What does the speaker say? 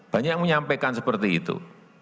banyak yang menyampaikan seperti itu